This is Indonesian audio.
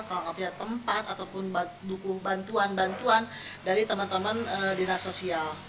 kalau nggak punya tempat ataupun dukung bantuan bantuan dari teman teman dinas sosial